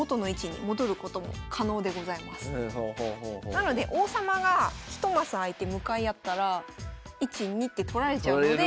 なので王様がひとマス空いて向かい合ったら１２って来られちゃうので。